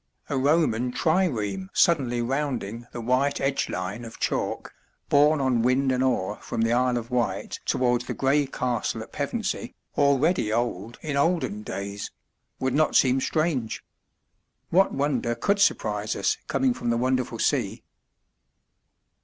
A Roman trireme suddenly rounding the white edge line of chalk, borne on wind and oar from the Isle of Wight towards the gray castle at Pevensey (already old in olden days), would not seem strange. What wonder could surprise us coming from the wonderful sea?